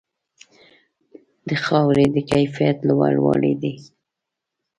د خاورې د کیفیت لوړوالې دی.